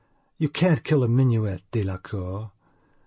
You can't kill a minuet de la cour.